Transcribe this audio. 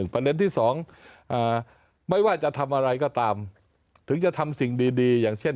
ประเด็นที่๒ไม่ว่าจะทำอะไรก็ตามถึงจะทำสิ่งดีอย่างเช่น